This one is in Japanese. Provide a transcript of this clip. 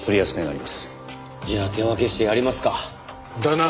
じゃあ手分けしてやりますか。だな。